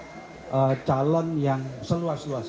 jadi itu adalah calon yang seluas seluas